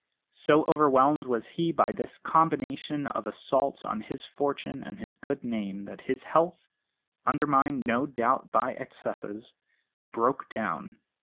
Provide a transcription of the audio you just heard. So overwhelmed was he by this combination of assaults on his fortune and his good name that his health undermined no doubt by excesses broke down.